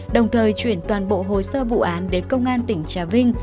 đồng thời chuyển toàn bộ hồ sơ vụ án đến công an tỉnh trà vinh